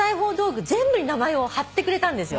全部に名前を張ってくれたんですよ。